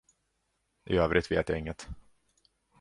I övrigt vet jag inget.